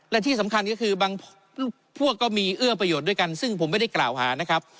และที่สำคัญก็คือบางพวกก็มีเอื้อประโยชน์ด้วยกันซึ่งผมไม่ได้กล่าวหานะครับ